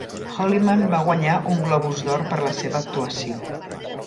Holliman va guanyar un Globus d'Or per la seva actuació.